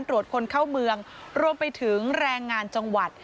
ตรวจคนเข้าเมืองรวมไปถึงแรงงานจังหวัด